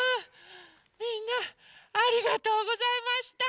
みんなありがとうございました。